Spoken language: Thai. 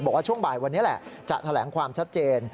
บอกว่าช่วงบ่ายวันนี้แหละจะแถลงความชัดเจน